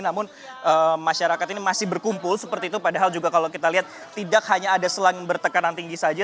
namun masyarakat ini masih berkumpul seperti itu padahal juga kalau kita lihat tidak hanya ada selang bertekanan tinggi saja